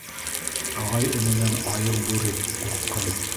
Ағай-эненән айыу-бүре ҡурҡҡан.